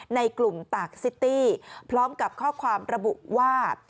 ในกลุ่มตากซิตี้พร้อมกับข้อความระบุว่า